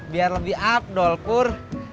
biar lebih up dol pur